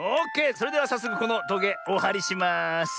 それではさっそくこのトゲおはりします。